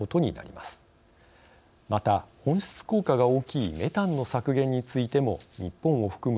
また、温室効果が大きいメタンの削減についても日本を含む